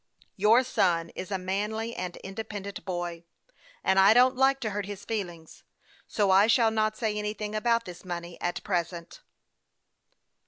Your son is a manly and independent boy, and I don't like to hurt his feelings ; so I shall not say anything about this money at present."